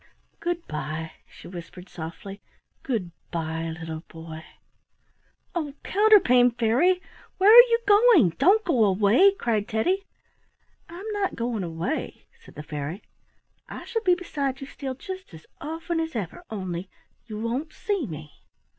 "Good bye," she whispered softly. "Good bye! little boy." "Oh, Counterpane Fairy! where are you going? Don't go away!" cried Teddy. "I'm not going away," said the fairy. "I shall be beside you still just as often as ever, only you won't see me."